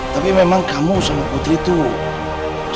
tapi memang kamu sama putri tuh